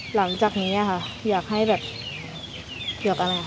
หลังจากนี้ค่ะอยากให้แบบเกี่ยวกับอะไร